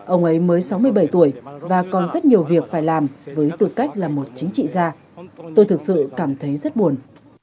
ông ấy mới sáu mươi bảy tuổi và còn rất nhiều việc phải làm với tư cách là một chính trị gia tôi thực sự cảm thấy rất buồn